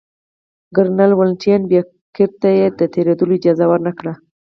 کرنل ولنټین بېکر ته یې د تېرېدلو اجازه ورنه کړه.